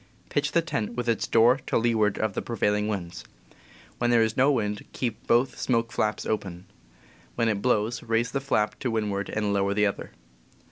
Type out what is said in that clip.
Pitch the tent with its door to leeward of the prevailing winds. When there is no wind, keep both smoke flaps open. When it blows, raise the flap to windward and lower the other.